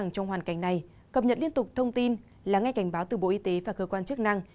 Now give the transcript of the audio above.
trong hoàn cảnh này cập nhật liên tục thông tin lắng nghe cảnh báo từ bộ y tế và cơ quan chức năng